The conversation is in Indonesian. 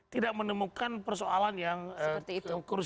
tidak menemukan persoalan yang kursial seperti yang disampaikan tadi